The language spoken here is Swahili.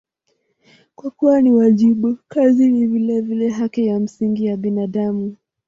Kwa kuwa ni wajibu, kazi ni vilevile haki ya msingi ya binadamu.